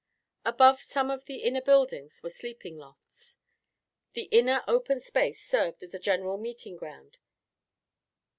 Above some of the inner buildings were sleeping lofts. The inner open space served as a general meeting ground.